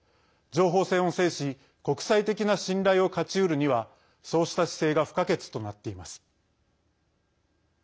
情報戦を制し国際的な信頼を勝ち得るにはそうした姿勢が不可欠となっています。